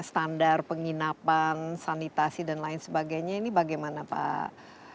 standar penginapan sanitasi dan lain sebagainya ini bagaimana pak